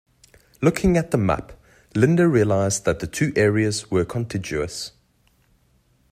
Looking at the map, Linda realised that the two areas were contiguous.